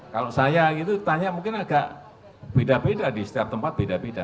kalau saya gitu tanya mungkin agak beda beda di setiap tempat beda beda